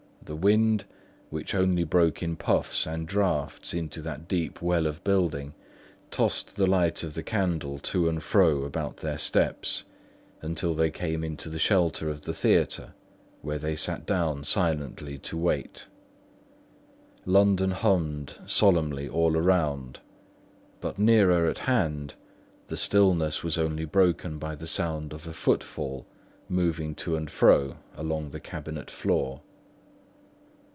The wind, which only broke in puffs and draughts into that deep well of building, tossed the light of the candle to and fro about their steps, until they came into the shelter of the theatre, where they sat down silently to wait. London hummed solemnly all around; but nearer at hand, the stillness was only broken by the sounds of a footfall moving to and fro along the cabinet floor.